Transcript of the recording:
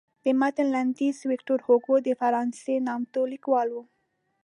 د متن لنډیز ویکتور هوګو د فرانسې نامتو لیکوال و.